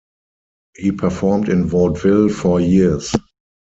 He performed in vaudeville for years.